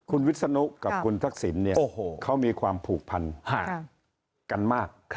คุณวิทย์สนุกกับคุณทักษิณเนี่ยเขามีความผูกพันกันมาก